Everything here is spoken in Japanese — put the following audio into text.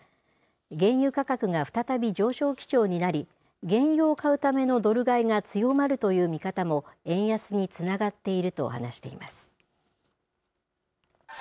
原油価格が再び上昇基調になり、原油を買うためのドル買いが強まるという見方も円安につながっていると話しています。